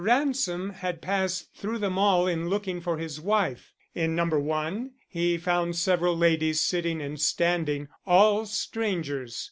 Ransom had passed through them all in looking for his wife. In No. 1 he found several ladies sitting and standing, all strangers.